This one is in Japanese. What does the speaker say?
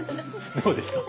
どうですか？